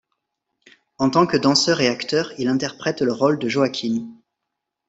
En tant que danseur et acteur, il interprète le rôle de Joaquín.